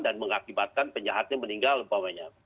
dan mengakibatkan penjahatnya meninggal apalagi